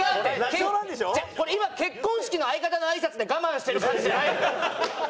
これ今結婚式の相方のあいさつで我慢してる感じじゃないのよ。